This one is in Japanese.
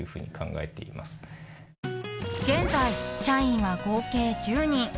［現在社員は合計１０人］